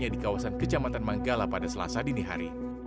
di kawasan kecamatan manggala pada selasa dini hari